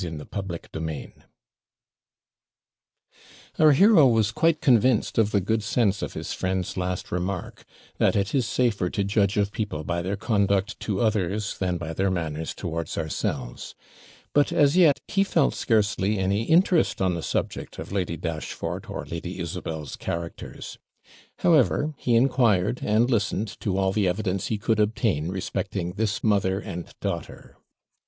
CHAPTER VII Our hero was quite convinced of the good sense of his friend's last remark, that it is safer to judge of people by their conduct to others than by their manners towards ourselves; but as yet, he felt scarcely any interest on the subject of Lady Dashfort or Lady Isabel's characters; however, he inquired and listened to all the evidence he could obtain respecting this mother and daughter.